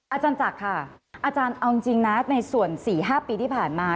อาจารย์จักรค่ะอาจารย์เอาจริงนะในส่วน๔๕ปีที่ผ่านมา